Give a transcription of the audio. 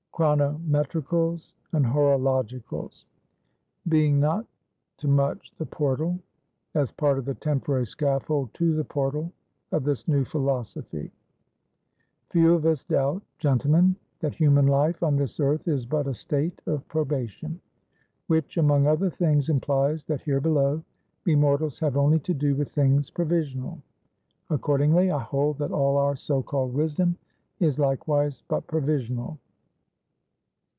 CHRONOMETRICALS AND HOROLOGICALS, (Being not to much the Portal, as part of the temporary Scaffold to the Portal of this new Philosophy.) "Few of us doubt, gentlemen, that human life on this earth is but a state of probation; which among other things implies, that here below, we mortals have only to do with things provisional. Accordingly, I hold that all our so called wisdom is likewise but provisional.